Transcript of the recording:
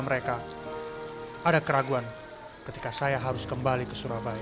mereka ada keraguan ketika saya harus kembali ke surabaya